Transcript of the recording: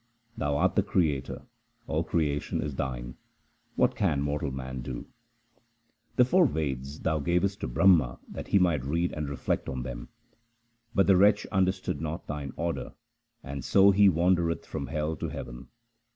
Thou art the Creator ; all creation is Thine ; what can mortal man do ? The four Veds Thou gavest to Brahma that he might read and reflect on them, But the wretch understood not Thine order, and so he wandereth from hell to heaven.